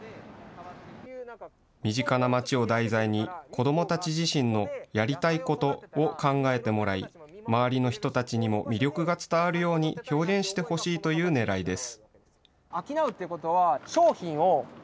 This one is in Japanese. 身近な町を題材に子どもたち自身のやりたいことを考えてもらい、周りの人たちにも魅力が伝わるように表現してほしいというねらいです。